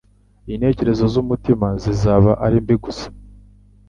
Intekerezo z'umutima zizaba ari mbi gusa.